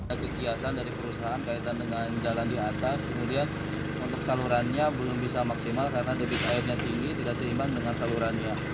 ada kegiatan dari perusahaan kaitan dengan jalan di atas kemudian untuk salurannya belum bisa maksimal karena debit airnya tinggi tidak seimbang dengan salurannya